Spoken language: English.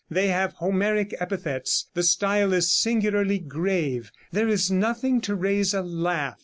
They have Homeric epithets. The style is singularly grave. There is nothing to raise a laugh.